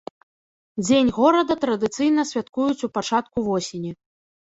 Дзень горада традыцыйна святкуюць у пачатку восені.